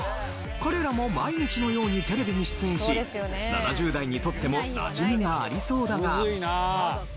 彼らも毎日のようにテレビに出演し７０代にとってもなじみがありそうだが。